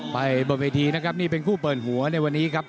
บนเวทีนะครับนี่เป็นคู่เปิดหัวในวันนี้ครับ